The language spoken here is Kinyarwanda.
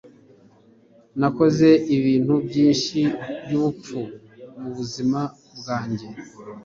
Nakoze ibintu byinshi byubupfu mubuzima bwanjye.